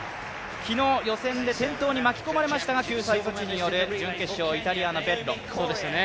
昨日予選で転倒に巻き込まれましたが救済措置による準決勝、イタリアのベット。